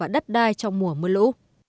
đất đai trong mùa mưa lũ